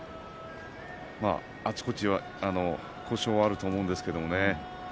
あちこち故障もあると思うんですけれどね。